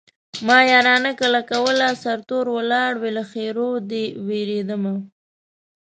ما يارانه کله کوله سرتور ولاړ وې له ښېرو دې وېرېدمه